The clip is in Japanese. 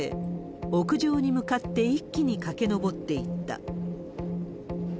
屋上に向かって一気に駆け上っていった。